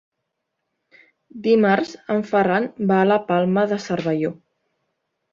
Dimarts en Ferran va a la Palma de Cervelló.